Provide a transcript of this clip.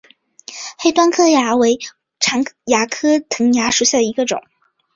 黑端管蚜为常蚜科藤蚜属下的一个种。